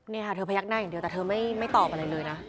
นี่ค่ะเธอพยักหน้าอย่างเดียวแต่เธอไม่ตอบอะไรเลยนะ